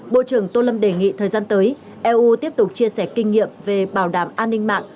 bộ trưởng tô lâm đề nghị thời gian tới eu tiếp tục chia sẻ kinh nghiệm về bảo đảm an ninh mạng